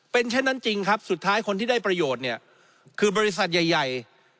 เป็นเช่นนั้นจริงครับสุดท้ายคนที่ได้ประโยชน์เนี่ยคือบริษัทใหญ่